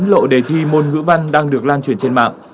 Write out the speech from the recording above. chín lộ đề thi môn ngữ văn đang được lan truyền trên mạng